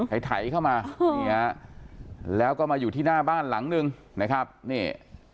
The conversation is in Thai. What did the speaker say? ไถเข้ามานี่ฮะแล้วก็มาอยู่ที่หน้าบ้านหลังนึงนะครับนี่